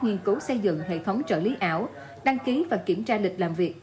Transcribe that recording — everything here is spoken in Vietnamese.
nghiên cứu xây dựng hệ thống trợ lý ảo đăng ký và kiểm tra lịch làm việc